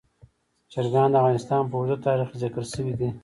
چرګان د افغانستان په اوږده تاریخ کې ذکر شوي دي.